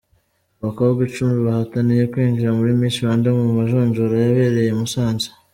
Abakobwa icumi bahataniye kwinjira muri Miss Rwanda mu majonjora yabereye i Musanze.